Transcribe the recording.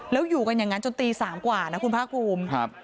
แล้วอยู่กันอย่างนั้นจนตี๓กว่านะคุณภาคภูมิ